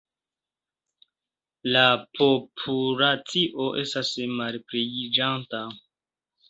La populacio estas malpliiĝanta.